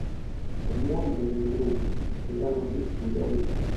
Umoja ni nguvu utengano ni udhaifu